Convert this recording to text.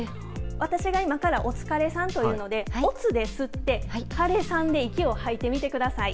私が今からおつかれさんというので、おつで吸って、彼さんで息を吐いてみてください。